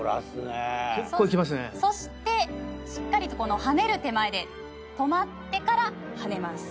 そしてしっかりとこのはねる手前でとまってからはねます。